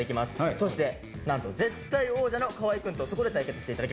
そしてなんと絶対王者の河合君とそこで対決して頂きます。